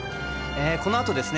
このあとですね